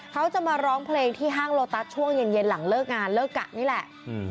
เขาจะมาร้องเพลงที่ห้างโลตัสช่วงเย็นหลังเลิกงานเลิกกะนี่แหละ